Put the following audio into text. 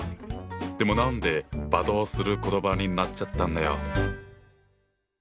でも何で罵倒する言葉になっちゃったんだよ？